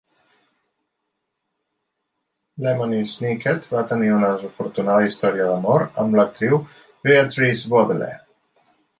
Lemony Snicket va tenir una desafortunada història d'amor amb l'actriu Beatrice Baudelaire.